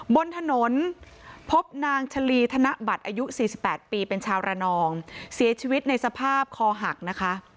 บนถนนพบนางชะลีธนบัตรอายุ๔๘ปีเป็นชาวระนองเสียชีวิตในสภาพคอหักนะคะ